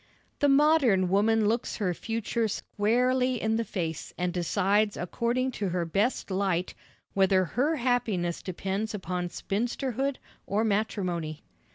The modern woman looks her future squarely in the face and decides according to her best light whether her happiness depends upon spinsterhood or matrimony.